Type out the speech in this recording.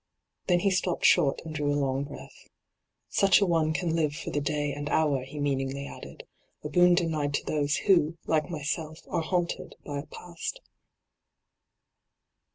Then he stopped short and drew a long breath, ' Such a one can live for the day and hour,* he meaningly added, ' a boon denied to those who, like myself, are haunted by a past.'